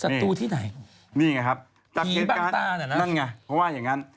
ศัตรูที่ไหนหีบางตาแหละนะนั่นไงเพราะว่าอย่างนั้น